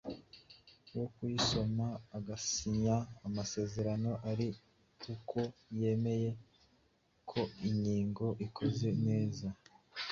wo kuyisoma bagasinya amasezerano ari uko yemeye ko inyigo ikoze neza